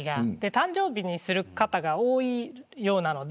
誕生日にする方が多いようなので。